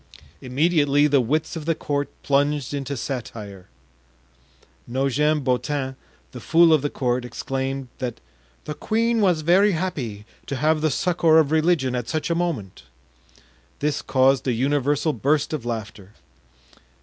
Immediately the wits of the court plunged into satire. Nogent Beautin, the fool of the court, exclaimed that "the queen was very happy to have the succor of religion at such a moment." This caused a universal burst of laughter.